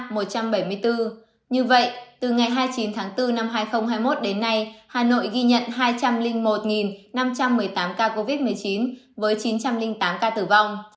như vậy từ ngày hai mươi chín tháng bốn năm hai nghìn hai mươi một đến nay hà nội ghi nhận hai trăm linh một năm trăm một mươi tám ca covid một mươi chín với chín trăm linh tám ca tử vong